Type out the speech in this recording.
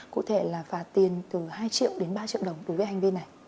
cụ thể là phạt tiền từ hai triệu đến ba triệu đồng đối với hành vi này